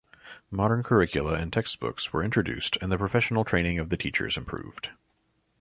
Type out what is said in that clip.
Modern curricula and textbooks were introduced and the professional training of the teachers improved.